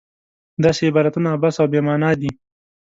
داسې عبارتونه عبث او بې معنا دي.